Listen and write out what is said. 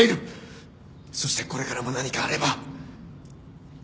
そしてこれからも何かあれば君は。